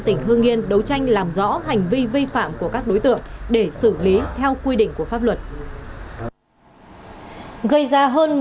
xin chào và hẹn gặp lại